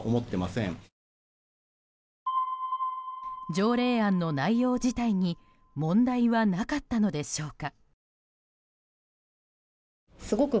条例案の内容自体に問題はなかったのでしょうか。